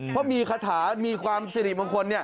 เพราะมีคาถามีความสิริมงคล